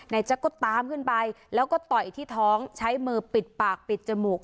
แจ็คก็ตามขึ้นไปแล้วก็ต่อยที่ท้องใช้มือปิดปากปิดจมูก